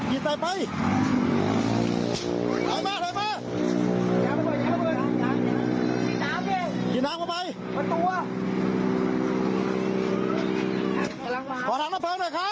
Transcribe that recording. ขอทางน้ำเพลิงหน่อยครับ